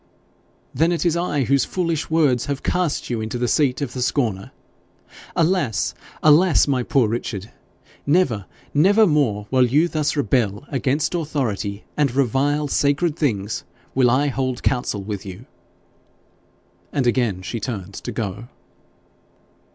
'Then it is I whose foolish words have cast you into the seat of the scorner! Alas! alas! my poor Richard! Never, never more, while you thus rebel against authority and revile sacred things, will I hold counsel with you.' And again she turned to go.